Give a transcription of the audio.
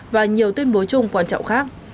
và nhiều tuyên bố chung quan trọng khác